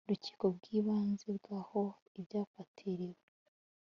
Rukiko rw Ibanze rw aho ibyafatiriwe